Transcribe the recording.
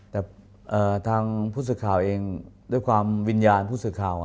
แต่ทางผู้สื่อข่าวเองด้วยความวิญญาณผู้สื่อข่าว